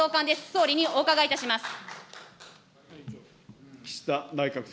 総理にお伺いいたします。